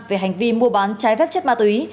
về hành vi mua bán trái phép chất ma túy